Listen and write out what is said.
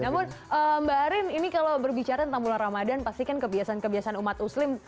namun mbak arin ini kalau berbicara tentang bulan ramadan pasti kan kebiasaan kebiasaan umat muslim